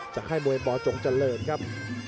จะให้มวยปจงเจริญครับ